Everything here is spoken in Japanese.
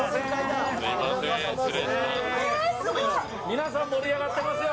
皆さん、盛り上がってますよ。